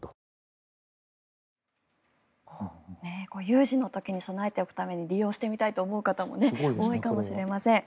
有事の時に備えておくために利用してみたいと思う方も多いかもしれません。